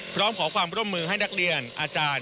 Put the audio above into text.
พร้อมขอความร่วมมือให้นักเรียนอาจารย์